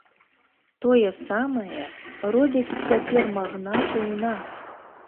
Тое самае робяць цяпер магнаты ў нас!